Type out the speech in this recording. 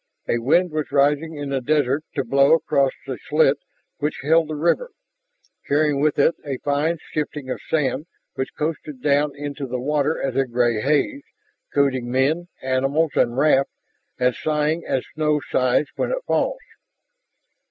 A wind was rising in the desert to blow across the slit which held the river, carrying with it a fine shifting of sand which coasted down into the water as a gray haze, coating men, animals, and raft, and sighing as snow sighs when it falls.